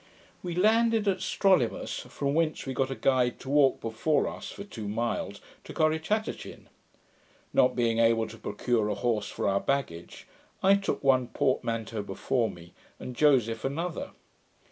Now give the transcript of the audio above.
We landed at Strolimus, from whence we got a guide to walk before us, for two miles, to Corrichatachin. Not being able to procure a horse for our baggage, I took one portmanteau before me, and Joseph another.